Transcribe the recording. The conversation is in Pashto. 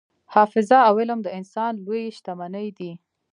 حافظه او علم د انسان لویې شتمنۍ دي.